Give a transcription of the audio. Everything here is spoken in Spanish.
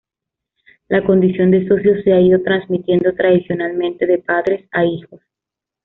La condición de socios se ha ido transmitiendo tradicionalmente de padres a hijos.